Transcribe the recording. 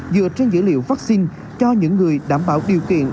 dựa trên dữ liệu vaccine cho những người đảm bảo điều kiện